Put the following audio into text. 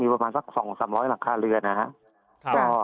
ประมาณสัก๒๓๐๐หลังคาเรือนนะครับ